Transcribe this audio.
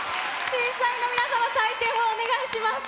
審査員の皆様、採点をお願いします。